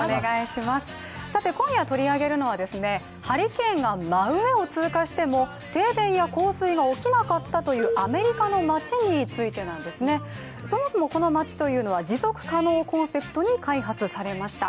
今夜取り上げるのは、ハリケーンが真上を通過しても停電や洪水が起きなかったというアメリカの町についてなんですね。そもそもこの町というのは持続可能をコンセプトに開発されました。